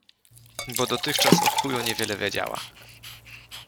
Bo dotychczas o chuju niewiele wiedziała -